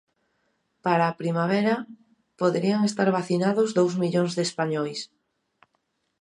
Para a primavera, poderían estar vacinados dous millóns de españois.